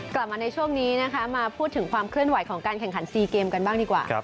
กลับมาในช่วงนี้นะคะมาพูดถึงความเคลื่อนไหวของการแข่งขัน๔เกมกันบ้างดีกว่า